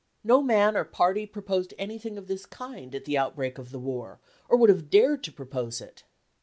No man or party proposed anything of this kind at the outbreak of the war, or would have dared to propose it.